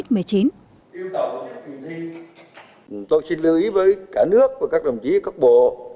tôi xin lưu ý với cả nước và các đồng chí các bộ